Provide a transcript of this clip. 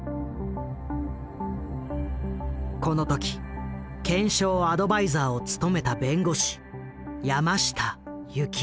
この時検証アドバイザーを務めた弁護士山下幸夫。